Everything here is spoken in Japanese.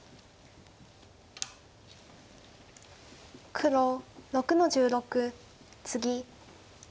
黒６の十六ツギ。